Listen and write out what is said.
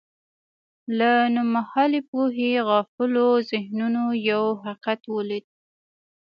له نومهالې پوهې غافلو ذهنونو یو حقیقت ولید.